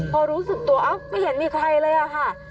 พอรู้สึกตัวอ้าวไม่เห็นมีใครเลยอะค่ะ